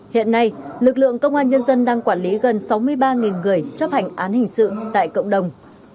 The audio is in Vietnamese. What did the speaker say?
hiện nay lực lượng công an nhân dân đang quản lý gần sáu mươi ba người chấp hành án hình sự tại cộng đồng